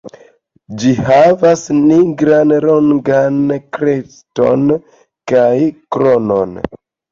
Ĝi havas nigrajn longan kreston kaj kronon.